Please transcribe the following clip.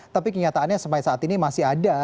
tapi kenyataannya sampai saat ini masih ada